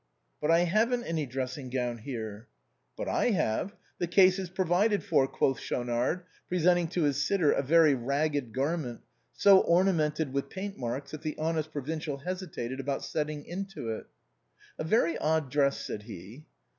" But I haven't any dressing gown here." " But I have. The case is provided for," quoth Schau nard, presenting to his sitter a very ragged garment, so ornamented with paint marks that the honest provincial hesitated about getting into it. " A very odd dress," said he.